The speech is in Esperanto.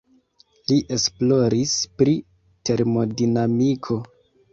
Li esploris pri termodinamiko.